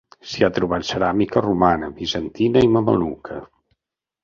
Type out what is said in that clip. S'hi ha trobat ceràmica romana, bizantina i mameluca.